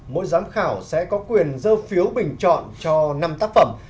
mỗi giám khảo sẽ có quyền dơ phiếu bình chọn cho năm tác phẩm